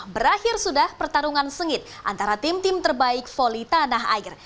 berakhir sudah pertarungan sengit antara tim tim terbaik voli tanah air